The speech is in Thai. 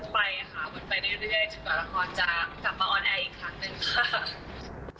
บนไปเรื่อยถึงก็ละครจะกลับมาออนแอร์อีกครั้งหนึ่งค่ะ